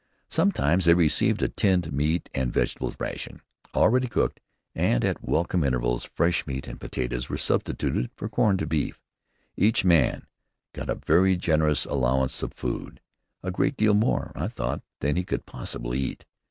Sometimes they received a tinned meat and vegetable ration, already cooked, and at welcome intervals fresh meat and potatoes were substituted for corned beef. Each man had a very generous allowance of food, a great deal more, I thought, than he could possibly eat.